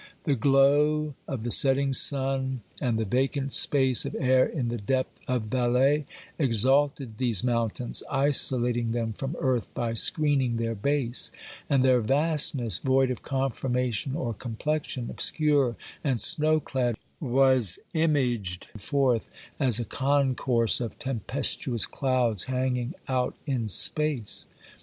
The glow of the setting sun and the vacant space of air in the depth of Valais exalted these mountains, isolating them from earth by screening their base ; and their vastness, void of conformation or complexion, obscure and snow clad, was imaged forth as a concourse of tempestuous clouds hang ing out in space.